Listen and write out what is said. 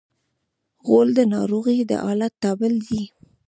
غول د ناروغ د حالت تابل دی.